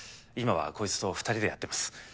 今はこいつと２人でやってます。